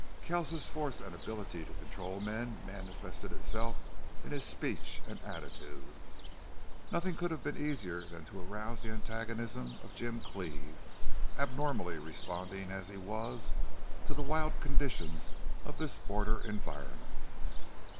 Kells's force and ability to control men manifested itself in his speech and attitude. Nothing could have been easier than to rouse the antagonism of Jim Cleve, abnormally responding as he was to the wild conditions of this border environment.